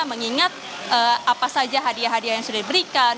mengingat apa saja hadiah hadiah yang sudah diberikan